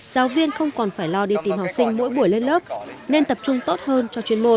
giáo viên không còn phải lo đi tìm học sinh mỗi buổi lên lớp nên tập trung tốt hơn cho chuyên môn